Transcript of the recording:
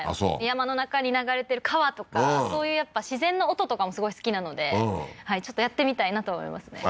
山の中に流れてる川とかそういうやっぱ自然の音とかもすごい好きなのでちょっとやってみたいなと思いますね